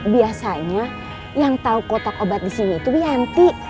biasanya yang tau kotak obat disini itu wianti